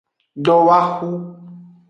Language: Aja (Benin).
Dowohu.